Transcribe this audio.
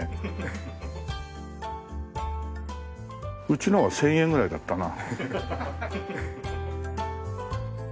うちのは１０００円ぐらいだったな。